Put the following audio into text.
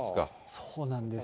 そうなんです。